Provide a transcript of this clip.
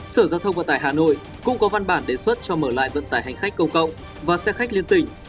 sở giao thông vận tải hà nội cũng có văn bản đề xuất cho mở lại vận tải hành khách công cộng và xe khách liên tỉnh